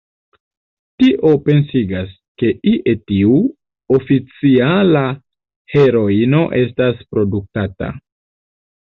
Tio pensigas, ke ie tiu oficiala heroino estas produktata.